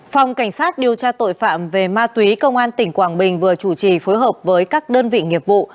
phòng cảnh sát điều tra tội phạm về ma túy công an tỉnh quảng bình vừa chủ trì phối hợp với các đơn vị nghiệp vụ